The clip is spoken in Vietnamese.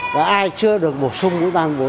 và ai chưa được bổ sung mũi ba mũi bốn